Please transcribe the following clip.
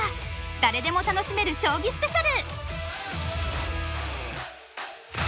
誰でも楽しめる将棋スペシャル！